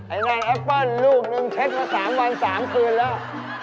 นั่งแอปเปิ้ลลูกนึงเช็คมา๓วัน๓คืนแล้ว